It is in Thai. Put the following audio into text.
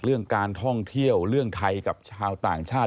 เรื่องการท่องเที่ยวเรื่องไทยกับชาวต่างชาติ